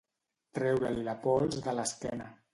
Treure-li la pols de l'esquena.